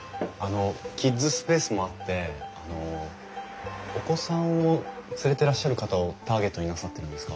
キッズスペースもあってお子さんを連れてらっしゃる方をターゲットになさってるんですか？